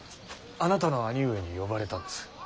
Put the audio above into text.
あなたの兄上に呼ばれたんです。